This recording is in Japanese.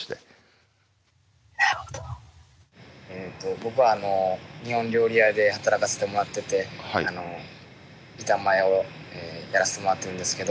僕は日本料理屋で働かせてもらってて板前をやらせてもらってるんですけど。